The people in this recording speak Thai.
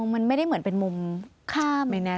มันไม่ได้เหมือนเป็นมุมข้ามถนนหรือเปล่า